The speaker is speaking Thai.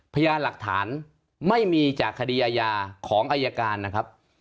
พยานหลักฐานไม่มีจากคดีอาญาของอายการนะครับ